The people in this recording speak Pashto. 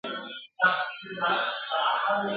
ډېر ویل د قران ښه دي ..